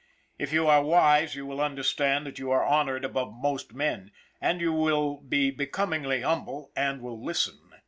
If you are wise you will understand that you are honored above most men, and you will be becom ingly humble and will listen.